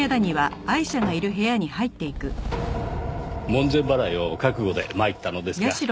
門前払いを覚悟で参ったのですが。